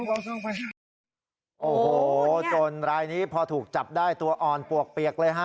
โอ้โหจนรายนี้พอถูกจับได้ตัวอ่อนปวกเปียกเลยฮะ